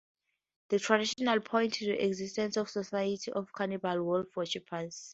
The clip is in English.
The tradition points to the existence of a society of cannibal wolf-worshipers.